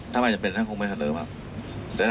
ถ้าไม่สำสักมันก็จะไม่เฉลิม